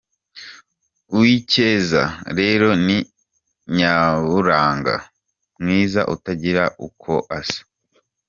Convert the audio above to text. Uwicyeza rero ni Nyaburanga, Mwiza utagira uko asa.